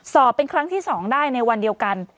สอบเป็นครั้งที่๒ได้ในวันเดียวกัน